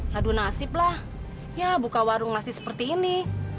lalu nasiblah ya buka warung nasi seperti ini